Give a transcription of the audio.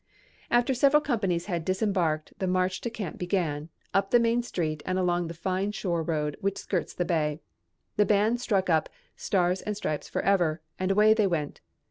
After several companies had disembarked the march to camp began, up the main street and along the fine shore road which skirts the bay. The band struck up "Stars and Stripes Forever" and away they went.